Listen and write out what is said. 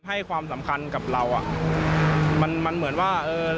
ให้ความสำคัญกับเรามันเหมือนว่า